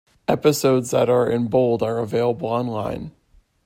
Episodes that are in bold are available online.